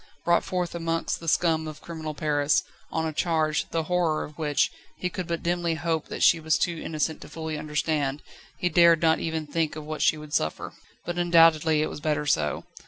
Brought forth amongst the scum of criminal Paris, on a charge, the horror of which, he could but dimly hope that she was too innocent to fully understand, he dared not even think of what she would suffer. But undoubtedly it was better so.